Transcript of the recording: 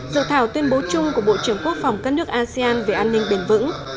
dự thảo tuyên bố chung của bộ trưởng quốc phòng các nước asean về an ninh bền vững